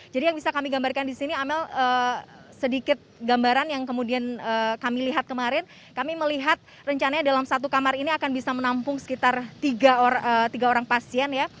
jadi yang bisa kami gambarkan di sini amel sedikit gambaran yang kemudian kami lihat kemarin kami melihat rencananya dalam satu kamar ini akan bisa menampung sekitar tiga orang pasien ya